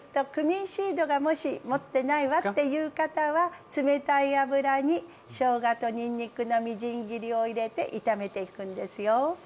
クミンシードがもし持ってないわっていう方は冷たい油にしょうがとにんにくのみじん切りを入れて炒めていくんですよ。